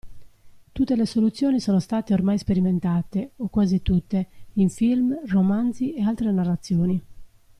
Tutte le soluzioni sono state ormai sperimentate (o quasi tutte) in film, romanzi e altre narrazioni.